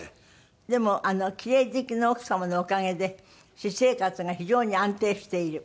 でも奇麗好きの奥様のおかげで私生活が非常に安定している。